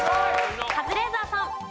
カズレーザーさん。